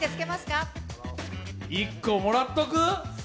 １個もらっとく？